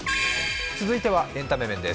続いてはエンタメ面です。